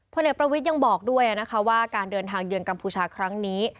พระเนิดประวิทยังบอกด้วยว่าการเดินทางเยือนกัมพูชาครั้งนี้